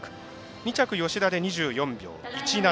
２着、吉田で２４秒１７。